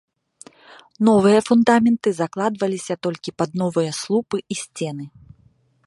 Новыя фундаменты закладваліся толькі пад новыя слупы і сцены.